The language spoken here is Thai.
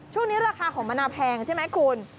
ช่วงนี้ราคาของมะนาวแพงใช่ไหมคุณ